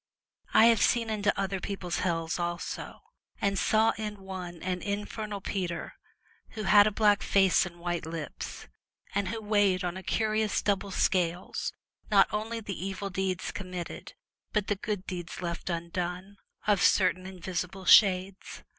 I have seen into other people's hells also, and saw in one an infernal Peter, who had a black face and white lips, and who weighed on a curious double scales not only the evil deeds committed, but the good deeds left undone, of certain invisible shades.